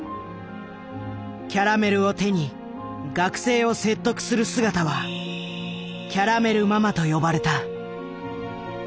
キャラメルを手に学生を説得する姿はと呼ばれた。